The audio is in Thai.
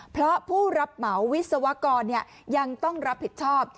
เพราะผู้รับเหมาวิศวกรยังต้องรับผิดชอบ